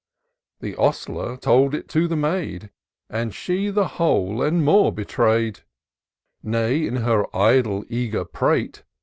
The ostler told it to the maid. And she the whole, and more, betray'd ; Nay, in her idle, eager prate.